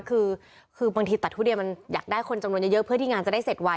คือบางทีตัดทุเรียนมันอยากได้คนจำนวนเยอะเพื่อที่งานจะได้เสร็จไว